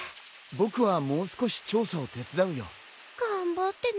僕はもう少し調査を手伝うよ。頑張ってね。